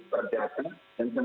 sudah ada bagian melanggar